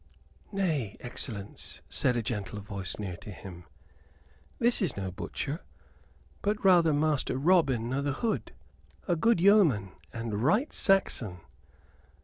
"Nay, excellence," said a gentle voice near to him, "this is no butcher; but rather Master Robin o' th' Hood, a good yeoman and right Saxon.